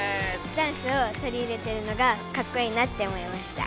ダンスをとり入れてるのがかっこいいなって思いました。